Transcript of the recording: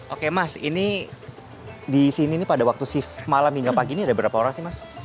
oke mas ini di sini nih pada waktu shift malam hingga pagi ini ada berapa orang sih mas